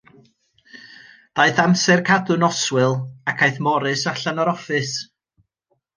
Daeth amser cadw noswyl, ac aeth Morris allan o'r offis.